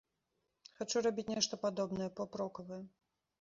Хачу рабіць нешта падобнае, поп-рокавае.